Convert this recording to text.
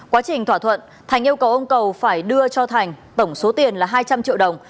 quá trình thỏa thuận thành yêu cầu ông cầu phải đưa cho thành tổng số tiền là hai trăm linh triệu đồng